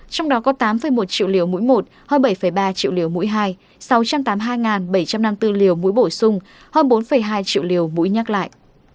trong đó có tám một triệu liều mũi một hơn bảy ba triệu liều mũi hai sáu trăm tám mươi hai bảy trăm năm mươi bốn liều mũi bổ sung hơn bốn hai triệu liều mũi nhắc lại